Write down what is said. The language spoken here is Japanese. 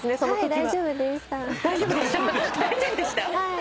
大丈夫でした？